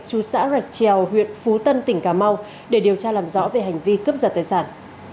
chú xã rạch trèo huyện phú tân tỉnh cà mau để điều tra làm rõ về hành vi cướp giật tài sản